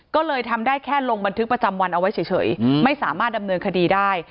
ก็เลยทำได้แค่ลงบันทึกประจำวันเอาไว้เฉยไม่สามารถดำเนินคดีได้